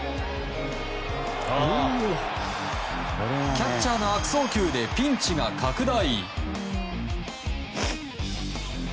キャッチャーの悪送球でピンチが拡大。